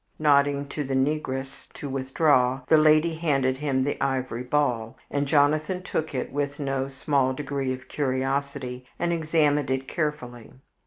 Nodding to the negress to withdraw, the lady handed him the ivory ball, and Jonathan took it with no small degree of curiosity and examined it carefully.